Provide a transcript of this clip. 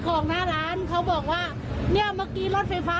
สวยชีวิตทั้งคู่ก็ออกมาไม่ได้อีกเลยครับ